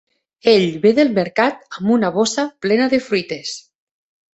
Ell ve del mercat amb una bossa plena de fruites.